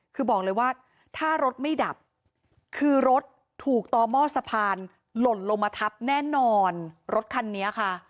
เพราะสะพานหล่นลงมาทับแน่นอนรถคันนี้ค่ะ